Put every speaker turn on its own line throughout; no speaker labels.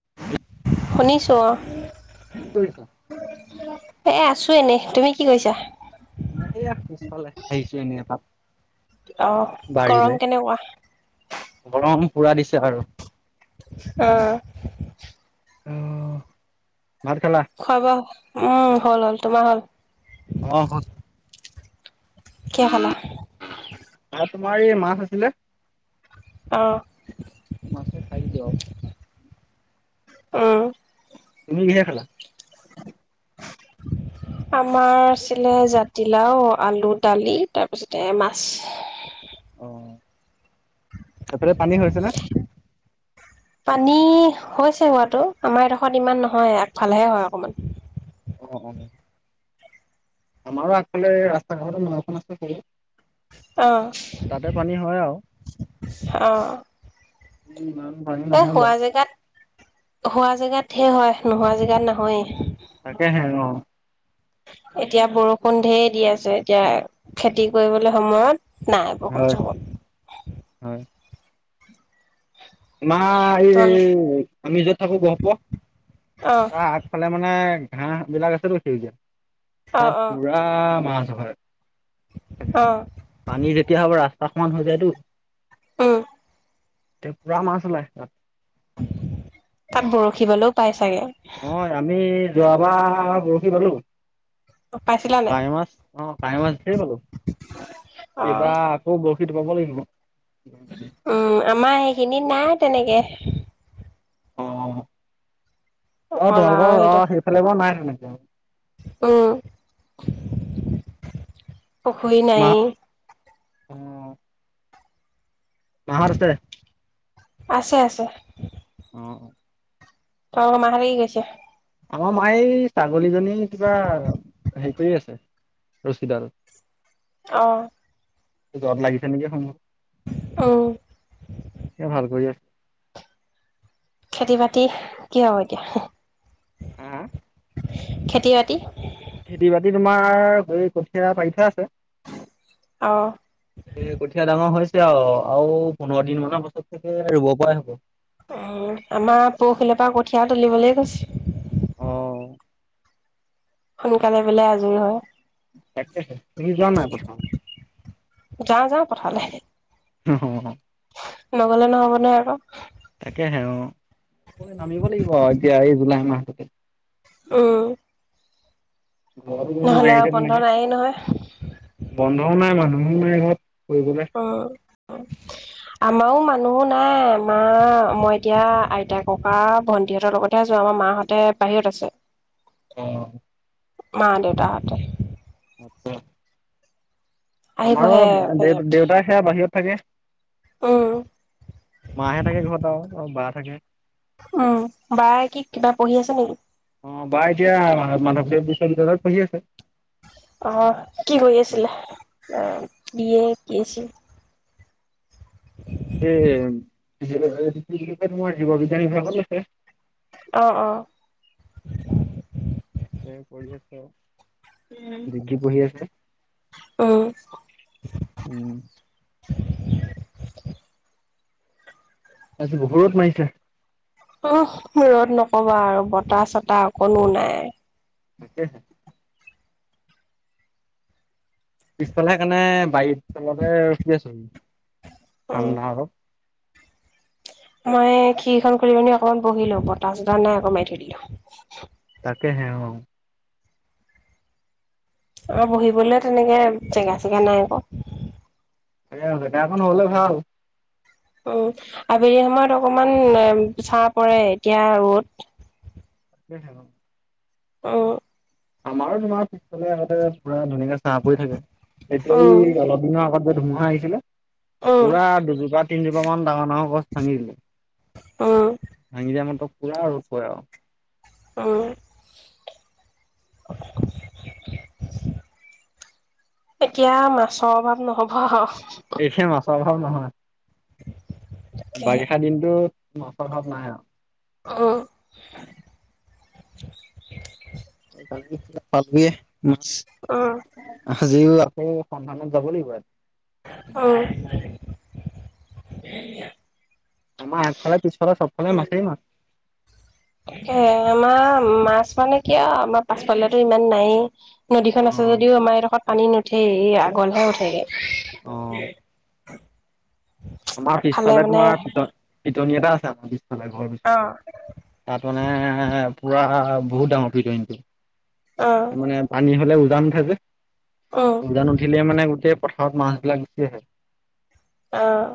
[inaudible]
শুনিছোঁ' অ'।
কি কৰিছা?
এ আছো এনেই, তুমি কি কৰিছা?
মইয়া পিছফালে আহিছো এনে এপাক।
অ গৰম
বাৰিলে।
কেনেকুৱা
গৰম পূৰা দিছে আৰু।
উম
অঁ
খোৱা-বোৱা! উম, হ'ল, হ'ল তোমাৰ হ, ল!
অ হ'ল।
কিহে খালা?
আমাৰ এই মাছ আছিলে!
অ
মাছে খাই দিছো আৰু।
উম,
তুমি কিহে খালা?
আমাৰ আছিলে জাতিলাও আলু দালি তাৰপিছতে মাছ।
অ সেইফালে পানী হৈছে নে!
পানী হৈছে হোৱাটো আমাৰ এডোখৰত ইমান নহয় আগফালেহে হয় অকমান।
[inaudible] আমাৰো আগফালে ৰাস্তা কাষতে নাওখন আছে
অ,
তাতে পানী হয় আৰু।
অ,
উম ইমান পানী
এ,
নহয়
হোৱা
বাৰু
জেগাত হোৱা জেগাত হে হয় নোহোৱা জেগাত নহয়।
তাকেহে অ
এতিয়া বৰষুণ ধেৰ দি আছে এতিয়া খেতি কৰিবলে সময়ত। নাই বৰষূণ
হয়
সৰষূণ।
হয়। তোমাৰ
তোমালোক
এই আমি য'ত থাকো গহপুৰ
অ
তাৰ আগফালে মানে ঘাঁহ বিলাক আছেতো সেউজীয়া,
অ
তাত
অ
পুৰা মাছ হয়।
অ
[unintelligible] পানী যেতিয়া হ'ব ৰাস্তা সমান হৈ জাইটো।
উম
তে পুৰা মাছ ওলাই তাত।
তাত বৰশী বলৈও পাই চাগে
হয় আমি যোৱাবাৰ বৰশী বালো।
পাইছিলা নাই
কাৱৈ মাছ অ', কাৱৈ মাছ ধেৰ পালো।
অ
এইবাৰ আকৌ বৰশীটো বাব লাগিব।
উম, আমাৰ সেইখিনিত নাই তেনেকে
অ-অ,
অকল আৰু
তোমালোকৰ অ,
সেইডোখৰ
সেইফালে বাৰু নাই তেনেকে।
উম, পুখুৰী
মা
নাইয়ে।
অ। মাহঁত আছে?
আছে, আছে।
অ', অ'।
অ', মা কালি গৈছি।
আমাৰ মাই ছাগলীজনী কিবা হে। কৰি আছে ৰছীডাল।
আহঁ,
জত লাগিছে নেকি [unintelligible]
উম
এতিয়া ভাল কৰি আছে।
খেতি বাতি কি হব এতিয়া? খেতি বাতি?
খেতি বাতি তোমাৰ হৈ কঠীয়া পাৰি থোৱা আছে।
অ
এ কঠীয়া ডাঙৰ হৈছ আও আৰু পোন্ধৰ দিন মানৰ পাছত চাগে ৰুব পৰাই হ'ব।
উম আমাৰ পৰখিলৰ পৰা কঠীয়া তুলিবলৈ কৈছে।
অহ।
সোনকালে বোলে আজৰি হয়।
তাকেহে তুমি যোৱা নাই পথাৰলে?
যাওঁ যাওঁ পথাৰলে।
উ হু [unintelligible]
নগলে নহ'ব নহয় আক।
তাকেহে অঁ, নামিব লাগিব আও এতিয়া এই জুলাই মাহটোতে।
আহ
ঘৰ নাইতি
বন্ধ
তেনেকে
নায়েই নহয়
বন্ধ পাও নাই মানুহো মাৰ ঘৰত ফবলৈ
মাও মানুহো নাই মা মই এতিয়া আইতা ককা ভন্টিহঁতৰ লগতহে আছো আমাৰ মা ততে বাহিৰত আছে
অ
ম দেউটাটে
আচছা আমাৰো
আহিবহে
দেউ
হেৰিয়ত
দেউতা সেয়া বাহিৰত থাকে
উম
মে থাকে ঘৰত আৰু বা থাকে
উম বাাৰ কি কিবা পঢ়ি আছে নেকি
অ বা এতিয়া মাধৱদেৱ বিশ্ববিদ্যালয়ত পঢ়ি আছে
অ কি কৰি আছিলে বিয় কি আছিল
এ তোমাৰ জীৱ বিজ্ঞান ভ ভ আছে
আহ অ
স পৰিয়ছে
উম উম
উম তাৰছ বহত মাৰিছে
উ ৰ'দ নকবা আৰু বতাহ চতাহ অকোনো নাই
আাকে হ পিছফালে সেইকাৰণে বাৰীত তলতে ৰ কি আছো
উম
ঠাণ্ডা অলপ
মই খ্ষীৰখন খুলি পি অকমান বহিলো বতচ নাই আকো মাৰি থৈ দিলো
কে হে অ
আৰু বহিবলৈ তেনেকে জেগা চেগা নাই আকৌ
সেই এখন হলে ভাল
উ আবেলি সময়ত অকমান চাহ পৰে এতিয়া ৰ'দ
সছ
আহ
আমাৰো তোমাৰ পিছফালে আগতে পুৰা ধুনীয়াকে চাহ পৰি থাকে এতিয়
উম,
এই অলপ দিনৰ আগত ধুমুা আহিছিলে
উম,
পুৰা দুজোপা তিনজোপা মান ডাঙৰ ডাঙৰ গছ ভাঙিছিলে
উম,
ভঙি দ মাৰ ত পুৰা আৰু খ
অ [unintelligible] এতিয়া মাছৰ অভাৱ নহ'ব
এইখ মাছৰ অভাৱ নহয়
উম!
বাৰিষা দিনতো মাছৰ ভাৱ নাই আৰু
অ!
পালে মাছ
উম,
সাজিও আকৌ সন্ন্তানত যাব লাগিব ই
আহ!
আমাৰ একফালে পিছফালে সবফালে মাছেই মাছ।
এ আমাৰ মাছ মানে কিয় আমাৰ পাছফালো ইমান নাই নদীখন আছে
অ
যদিও আমাৰ এডোখৰত পানী নুঠে এই আগলহে উঠেগে।
অ আমাৰ
আগফালে
পিছফালে
মানে
তোমাৰ পিটন পিটনি এটা আছে আমাৰ পিছ ালে ঘৰ
অ',
তাত মানে পুৰা বহুত ডাঙৰ পিডইংটো
অ',
মানে পানী হলে উজান উঠাই যে
উম,
উজান উঠিলে মানে গোটেই পথাৰত মাছবলাক গুচি আহে
আহ!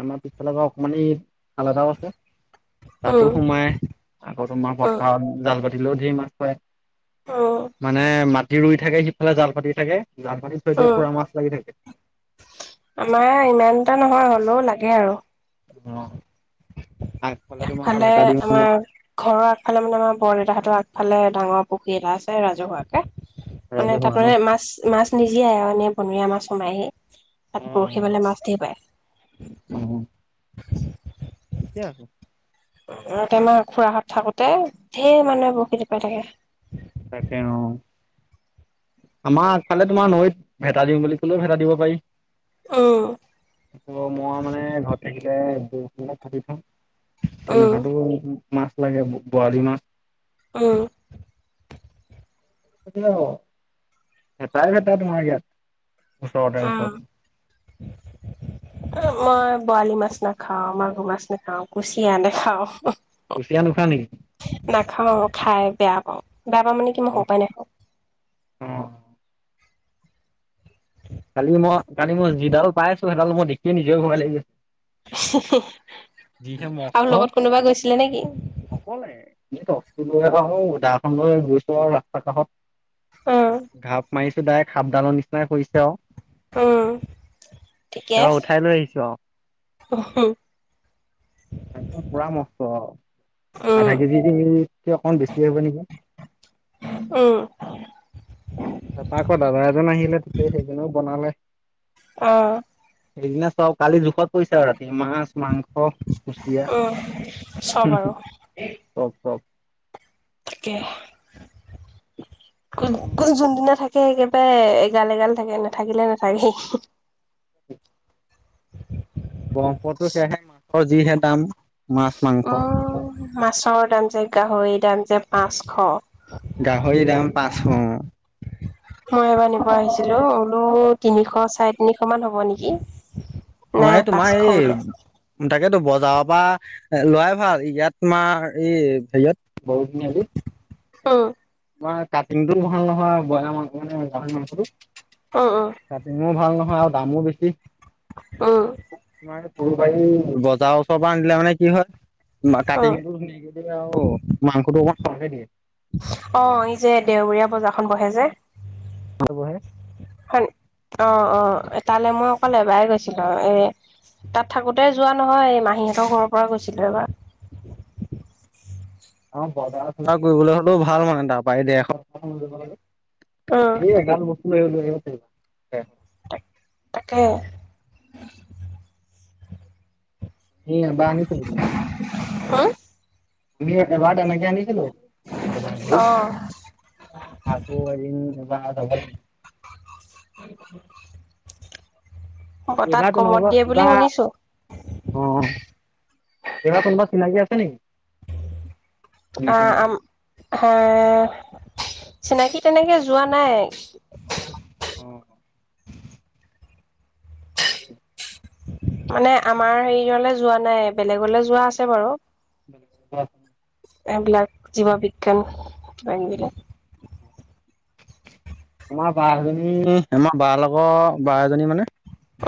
আমাৰ পিছফালৰ পৰা অকমানি খাল এটাও আছে
উম,
তাতো সোমাই আকৌ তোমাৰ
উম,
পথাৰত জাল পাত লো ধেই মাছ পায়।
উম,
মানে মাটি ৰুই থাকে সিফালে জাল পাতি থাকে জাল পাতি থৈ দিয়ে
উম
পুৰা মাছ লাগি থাকে
আমাৰ ইমানটা নহয় হলেও লাগে আৰু।
অঁ।
আগফালে আমাৰ ঘৰৰ আগফালে মানে আমাৰ বৰদেউতাহঁতৰ আগ ফালে ডাঙৰ পুখুৰী এটা আছে ৰাজহুৱাকে মানে তাত
ৰাজহুৱা ন
মানে মাছ মাছ নিজীয়াই আও এনেই বনৰীয়া মাছ সোমাইহি, তাত বৰশী বালে মাছ ধেই পায়।
উম। কেতিয়া আছ
অহ' তোমাৰ খুৰাহত থাকোঁতে ধেৰ মানুহে বশি টোপাই থাকে।
তাকে ন আমাৰ আগফালে তোমাৰ নৈত ভেটা দিওঁ বুলি ক'লেও ভেটা দিব পাৰি।
উম,
আহ মই মানে ঘৰত থাকিলে বশি বিলাক কাটি থম।
উম,
তেনেকুৱাতো মাছটো আহে বৰালী মাছ।
অহ'
কিয় ভেতাই ভেতা তোমাৰ ইয়াত ওচৰতে
উম।
ওচৰত
মই বৰালি মাছ নাখাওঁ, মাগুৰ মাছ নাখাওঁ, কুচিয়া নাখাওঁ।
কুচিয়া নোখোৱা নেকি
নাখাওঁ আৰু খাই বেয়া পাওঁ। বেয়া পাওঁ মানে কি মই
অ
সৰু পৰাই নাখাওঁ।
অ কালি মই কালি মই যিডাল পাই আছোঁ। সেইডাল মই দেখিয়ে নিজেও ভয় লাগি যিহে
আৰু
মষ্ট
লগত কোনোবা গৈছিলে নেকি?
অকলে কি ক'ৰ লৈ আহা দাখন লৈ গৈছোঁ আৰু ৰাস্তা কাষত
উম,
ঘাপ মাৰিছোঁ ডাইৰেক্ট সাপডালৰ নিচিনাই কৰিছে আৰু
উম,
তাৰপৰা উঠাই লৈ আহিছোঁ আৰু
অশ হো
একদম পুৰা মষ্ট
উম,
আধা কেজি অকমান বেছি হ'ব নেকি
উম।
তাৰপাৰ আকৌ দাদা এজন আহিলে, এই সেইজনেও বনালে।
অহ'
সেইদিনা চ'ব কালি জোখত পৰিছে আৰু ৰাতি মাছ, মাংস। চ'ব কুচিয়া
উম, চব
উম,
আৰু
হ'ম চ'ব চ'ব।
তাকে কোন কোন যোনদিনা থাকে। তাকে একেবাৰে এগাল এগাল থাকে নাথাকিলে নাথাকেই।
বৰ্পটো সেয়াহে মাছৰ যিহে দাম। মাছ মাংস
অ, মাছৰ দাম যে গাহৰিৰ দাম যে পাঁচশ।
গাহৰিৰ দাম পাঁচশ অৱ।
মই এবাৰ নিব আহিছিলো বোলো তিনিশ চাৰে তিনিশ মান হ'ব নেকি?
অৱ
নাই
এই
পাঁচশ
তোমাৰ এই
বোলে
দাগ তাকেতো বজাৰৰ পৰা লোৱাই ভাল ইয়াত তোমাৰ এই হেৰিয়ত বৰগুৰি তিনিআলিত।
উম।
তোমাৰ কাটিং টো ভাল নহয়, ব্ৰইলাৰ মাংস মানে গাহৰ মাংসটো।
উম, উম,
কাটিঙো ভাল নহয় আৰু দামো বেছি,
উম,
তোমাৰ ফুলবাৰী বজাৰৰ ওচৰৰ পৰা আনিলে মানে কি হয়,
উম।
কাটিংটো ধুনীয়াকে আও মাংসটো অকণমান সৰকে দিয়ে।
অৱ এই যে দেওবৰীয়া বজাৰখন বহে যে।
[unintelligible]
হয়নি, অৱ অৱ তালৈ মই অকল এবাৰে গৈছিলো এ তাত থাকোতে যোৱা নহয় মাহীঁতৰ ঘৰৰ পৰা গৈছিলো এবাৰ
[unintelligible] অ বজাৰ চজাৰ কৰিবলৈ হ'লেও ভাল মানে তাৰ পৰা দেৰশ
উম,
ট দেই গান বস্তু লৈ হলো আহিবিবা
তাকে হুম
নিচ নাই জিছিলো বত আকৌ হব
অ বতাত
এইবাৰটোো ন
কমত দিয়ে বুলি
এইবাৰ
শুনিছো
অ কা কোনোবা চিনাকি আছে নেকি
অ
এডমিচন লোৱা?
আম হা চিনাকি তেনেকে যোৱা নাই
উম
মানে আমাৰ হেৰিয়লে যোৱা নাই বেলেগলৈ যোৱা আছে বাৰু
ব
এইবিলাক জীৱা বিজ্ঞান বিল
আমাৰ বা এজনী আমাৰ ব লগৰ বা এজনী মানে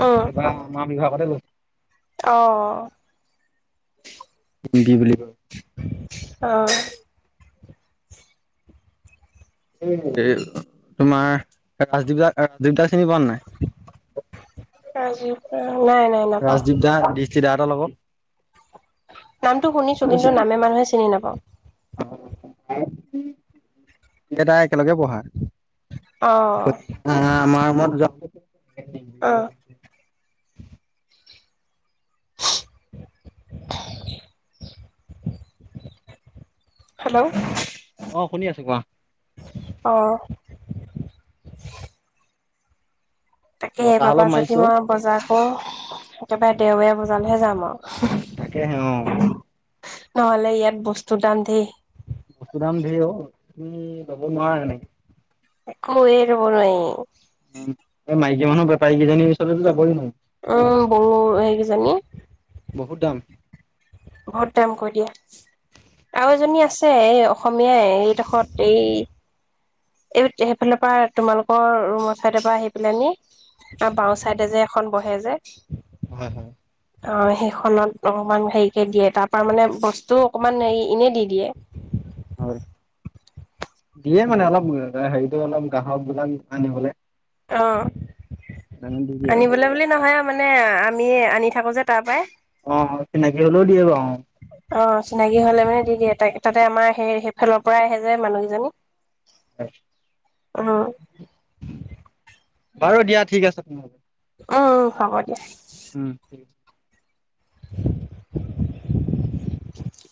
উম
এবাৰ মামি ঘাব গৈছ
অ
বি বুলি ক
আহ
এই তোমাৰ ৰাজদ্বীপ দাস ৰাজদ্বীপ দাস চিনি পন নাই
ৰাজীৱ নাই নাই নাপাওঁ
ৰাজদ্বীপ দাস দৃষ্টি দাাৰ লগত
নামতটো শুনিছো কিন্তু নামে মানুহে চিনি নাপাওঁ
এটাাই একেলগে বঢ়া
অ
আমাৰত
অ
য [unintelligible]
হেল্ল'
আহ শুনি আছো কোৱা
অ তাকে
বতাহ
এইবাবা
অলপ
যদি
মাৰিছো
মই বজাৰ কৰো একেবাৰে দেওে বজালেহে যাম আৰু
তাকে হে অ
নহলে ইয়াত বস্তু দাম দেই
বস্তু দাম ধেৰ অ তুমি ল'ব নোৱাৰা নেকি
একো এ ৰব নাই
এই মাইকী মানুহ বেপাৰীেইজনানীৰ ওচৰতো যাবই নোৱাৰয়
উম বড়ো হেই কিজনী
বহুত দাম
বহুত দাম কৈ দিয়ে আৰু এজনী আছে এই অসমীয়াই এইডোখৰত এই এই সেইফালৰ পৰা তোমালোকৰ ৰুমৰ চাইডৰ পৰা আহি পেলাই নি আৰু বাওঁ ছাইডে যে এখন বহে যে
হয় হয়
অ সেইখনত অলপমান হেৰি [unintelligible] দিয়ে তাৰপৰা মানে বস্তু অকণমান হেৰি এনেই দি দিয়ে
হয় দিয়ে মানে অলপ হেৰিটো অলপ গ্ৰাহক বিলাক আনিবলৈ
অ
দি দিয়ে আৰু
আনিবলৈ বুলি নহয় আৰু মানে আমি আনি থাকো যে তাৰ পৰাই
অ চিনাকি হলেও দিয়ে বাৰু
অ চিনাকি হলে মানে দি দিয়ে তাক তাতে আমাৰ সেই সেইফালৰ পৰাই আহে যে মানুহকেইজনী
হয়।
অ',
বাৰু দিয়া ঠিক আছে তেনেহলে।
উম, হ'ব দিয়া।
উম ঠিক আছে
[unintelligible]